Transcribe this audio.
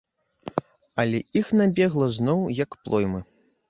Але іх набегла зноў як плоймы.